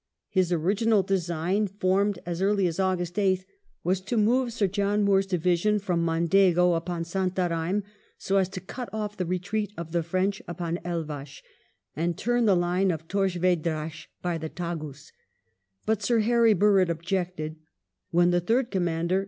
His original design, formed as early as August 8th, was to move Sir John Moore's division from Mondego upon Santarem, so as to cut off the retreat of the French upon Elvas, and turn the line of Torres Vedras by the Tagus ; but Sir Harry Burrard objected ; when the third commander.